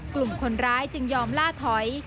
กลุ่มคนร้ายจึงยอมล่าถอย